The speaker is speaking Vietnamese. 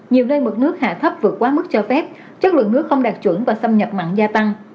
nhiều nơi mực nước hạ thấp vượt quá mức cho phép chất lượng nước không đạt chuẩn và xâm nhập mặn gia tăng